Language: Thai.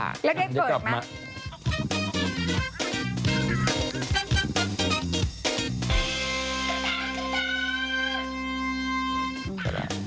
แล้วได้เฟิร์กมั้ย